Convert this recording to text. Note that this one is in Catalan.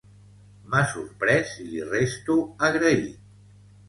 M'ha sorprès i li resto agraït.